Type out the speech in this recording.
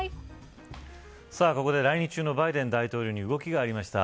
ここで来日中のバイデン大統領動きありました。